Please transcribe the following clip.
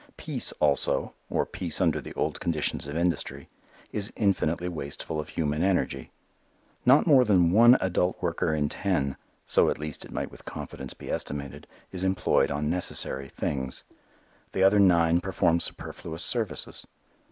Peace, also or peace under the old conditions of industry is infinitely wasteful of human energy. Not more than one adult worker in ten so at least it might with confidence be estimated is employed on necessary things. The other nine perform superfluous services.